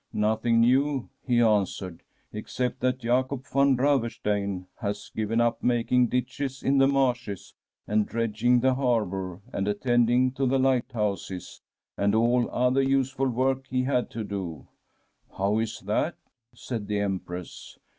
' Nothing new,' he answered, * except that Jacob van Rave steyn has given up making ditches in the marshes, and dredging the harbour, and attending to the lighthouses, and all other useful work he had to do/ * How is that ?' said the Empress.